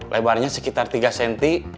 lebarnya sekitar tiga cm